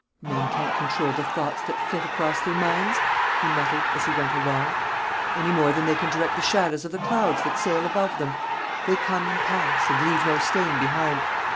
"Men can't control the thoughts that flit across their minds," he muttered, as he went along, "anymore than they can direct the shadows of the clouds that sail above them. They come and pass, and leave no stain behind.